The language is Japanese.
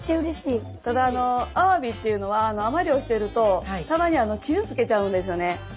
ただアワビっていうのは海女漁してるとたまに傷つけちゃうんですよね。